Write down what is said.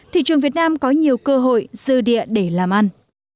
thị trường việt nam có nhiều cơ hội dư địa để làm ăn